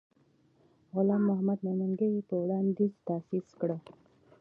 غلام محمد میمنګي یې په وړاندیز تأسیس کړ.